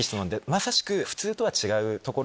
まさしく普通とは違う所が。